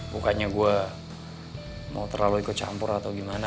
bukannya gue mau terlalu ikut campur atau gimana